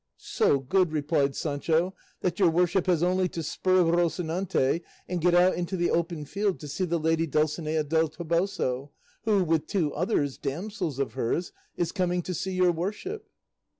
"So good," replied Sancho, "that your worship has only to spur Rocinante and get out into the open field to see the lady Dulcinea del Toboso, who, with two others, damsels of hers, is coming to see your worship."